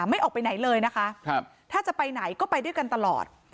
ไม่ออกไปไหนเลยนะคะถ้าจะไปไหนก็ไปด้วยกันตลอด